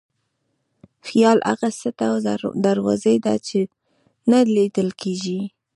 خیال هغه څه ته دروازه ده چې نه لیدل کېږي.